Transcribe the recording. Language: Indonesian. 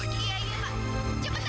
ya ya pak